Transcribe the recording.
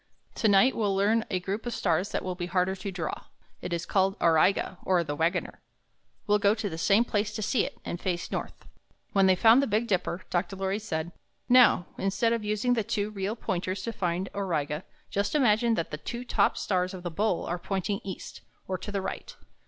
Tonight we'll learn a group of stars that will be harder to draw. It is called Au ri' ga, or the Wagoner. We'll go to the same place to see it, and face north." When they had found the Big Dipper, Dr. Lorry said, ''Now, instead of using the two real Pointers to find Auriga, just imagine that the two top stars of the bowl are pointing east, or to the right.